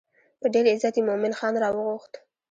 په ډېر عزت یې مومن خان راوغوښت.